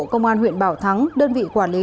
công an huyện bảo thắng đơn vị quản lý